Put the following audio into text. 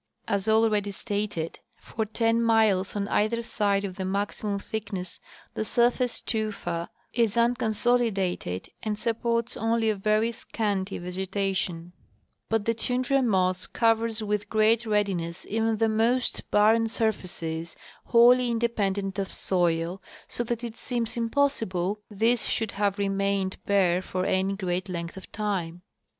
As already stated, for ten miles on either side of the maximum thickness the surface tufa is unconsolidated and sup ports only a very scanty vegetation ; but the tundra moss covers with great readiness even the most barren surfaces, wholly inde pendent of soil, so that it seems impossible this should have remained bare for any great length of time.